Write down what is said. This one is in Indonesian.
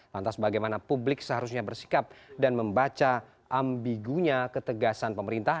lantas bagaimana publik seharusnya bersikap dan membaca ambigunya ketegasan pemerintah